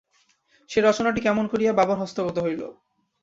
সেই রচনাটি কেমন করিয়া বাবার হস্তগত হইল।